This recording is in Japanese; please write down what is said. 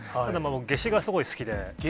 夏至がすごい好きで。